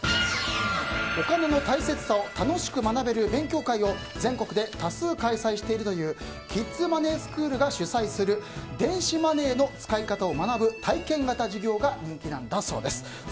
お金の大切さを楽しく学べる勉強会を全国で多数開催しているというキッズマネースクールが主催する電子マネーの使い方を学ぶ体験型授業が人気なんだそうです。